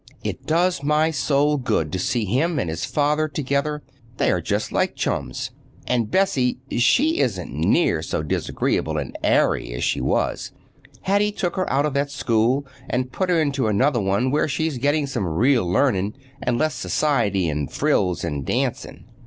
It does my soul good to see him and his father together. They are just like chums. And Bessie—she isn't near so disagreeable and airy as she was. Hattie took her out of that school and put her into another where she's getting some real learning and less society and frills and dancing.